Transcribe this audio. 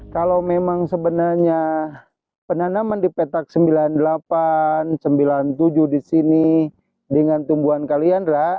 kalau memang sebenarnya penanaman di petak sembilan puluh delapan seribu sembilan ratus sembilan puluh tujuh di sini dengan tumbuhan kaliandra